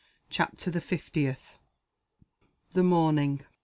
CHAPTER THE FIFTIETH. THE MORNING.